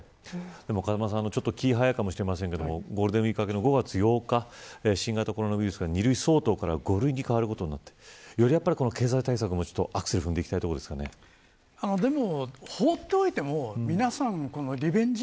でも気が早いかもしれませんがゴールデンウイーク明けの５月８日新型コロナウイルスが２類相当から５類に変わることになって経済対策もアクセルをでも、放っておいても皆さんリベンジ